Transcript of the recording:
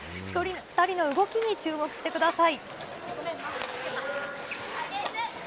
２人の動きに注目してください。